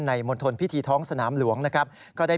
มณฑลพิธีท้องสนามหลวงนะครับ